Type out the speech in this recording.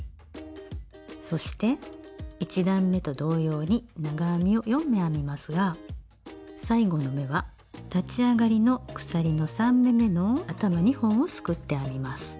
そして１段めと同様に長編みを４目編みますが最後の目は立ち上がりの鎖の３目めの頭２本をすくって編みます。